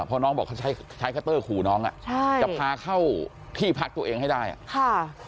พอน้องบอกเขาใช้ใช้คัตเตอร์ขู่น้องอ่ะใช่จะพาเข้าที่พักตัวเองให้ได้อ่ะค่ะ